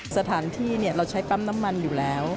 สถานที่เราใช้ปั๊มน้ำมันอยู่แล้ว